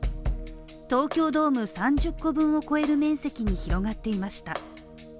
東京ドーム３０個分を超える面積に広がっていました。